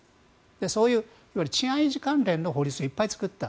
そういういわゆる治安維持関連の法律をいっぱい作った。